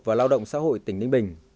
và lao động xã hội tỉnh ninh bình